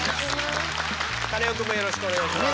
カネオくんもよろしくお願いします。